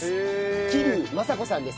桐生雅子さんです。